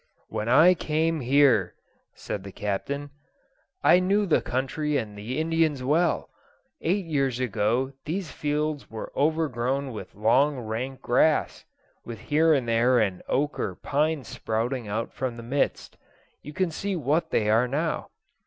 "When I came here," said the Captain, "I knew the country and the Indians well. Eight years ago these fields were overgrown with long rank grass, with here and there an oak or pine sprouting out from the midst. You can see what they are now.